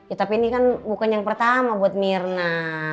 ya tapi ini kan bukan yang pertama buat mirna